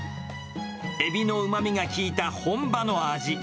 エビのうまみが効いた本場の味。